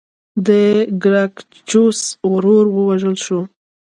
د ګراکچوس ورور ووژل شو.